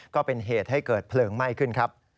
ก็เป็นเหตุให้เกิดเพลิงไหม้ขึ้นครับ